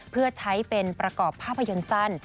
เพื่อใช้เป็นประกอบภาพยนตร์สั้น